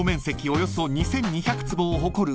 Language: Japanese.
およそ２，２００坪を誇る］